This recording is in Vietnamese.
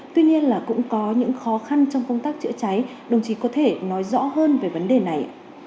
tuy nhiên là cũng có những khó khăn trong công tác chữa cháy đồng chí có thể nói rõ hơn về vấn đề này